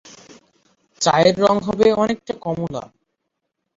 চায়ের রং হবে অনেকটা কমলা।